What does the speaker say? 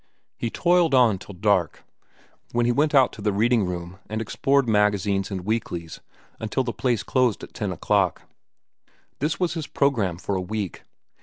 He toiled on till dark, when he went out to the reading room and explored magazines and weeklies until the place closed at ten o'clock. This was his programme for a week.